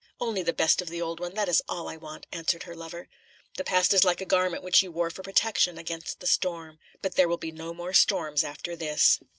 "Only the best of the old one, that is all I want," answered her lover. "The past is like a garment which you wore for protection against the storm. But there will be no more storms after this."